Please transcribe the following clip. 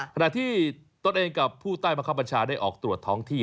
ขนาดที่ตัวเองกับผู้ใต้มหาปัญชาได้ออกตรวจท้องที่